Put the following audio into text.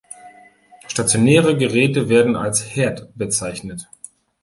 Stationäre Geräte werden als Herd bezeichnet.